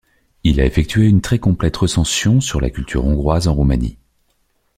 Il a effectué une très complète recension sur la culture hongroise en Roumanie.